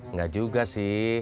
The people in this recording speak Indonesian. enggak juga sih